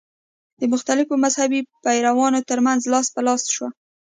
د مختلفو مذهبي پیروانو تر منځ لاس په لاس شوه.